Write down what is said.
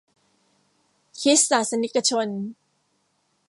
คริสตศาสนิกชน